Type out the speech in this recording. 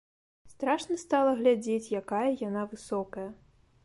Страшна стала глядзець, якая яна высокая!